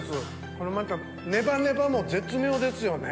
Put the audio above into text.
このネバネバも絶妙ですよね。